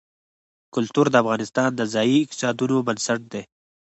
کلتور د افغانستان د ځایي اقتصادونو بنسټ دی.